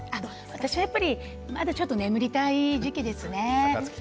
私はまだちょっと眠りたい時期ですね。